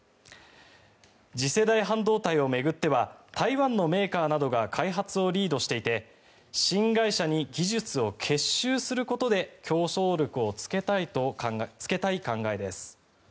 次世代半導体を巡っては台湾のメーカーなどが開発をリードしていて新会社に技術を結集することで競争力をつけたい考えです。